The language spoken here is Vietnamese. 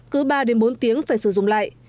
cứ ba bốn tiếng phải sử dụng lại